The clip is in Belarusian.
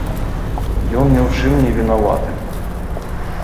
Ён ні ў чым невінаваты.